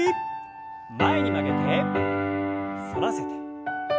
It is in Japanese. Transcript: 前に曲げて反らせて。